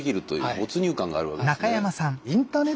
没入感があるわけですね。